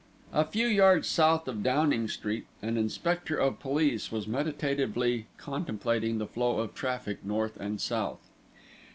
A few yards south of Downing Street, an inspector of police was meditatively contemplating the flow of traffic north and south.